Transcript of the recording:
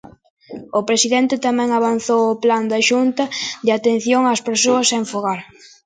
O presidente tamén avanzou o plan da Xunta de atención ás persoas sen fogar.